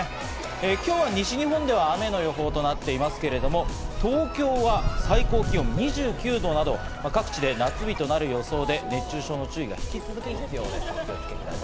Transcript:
今日は西日本では雨の予想となっていますが、東京は最高気温２９度など各地で夏日となる予想で、熱中症の注意が必要です。